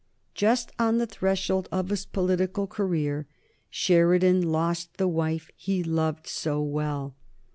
Just on the threshold of his political career Sheridan lost the wife he loved so well.